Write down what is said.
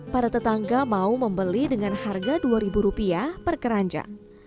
para tetangga mau membeli dengan harga rp dua per keranjang